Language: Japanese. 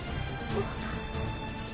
あっ。